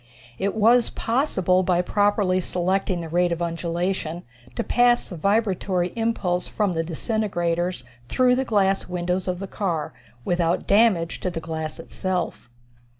It was possible by properly selecting the rate of undulation, to pass the vibratory impulse from the disintegrators through the glass windows of a car, without damage to the glass itself.